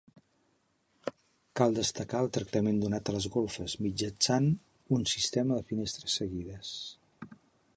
Cal destacar el tractament donat a les golfes, mitjançant un sistema de finestres seguides.